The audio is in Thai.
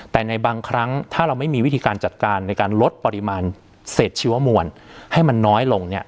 แต่ในบางครั้งถ้าเราไม่มีวิธีการจัดการในการลดปริมาณเศษชีวมวลให้มันน้อยลง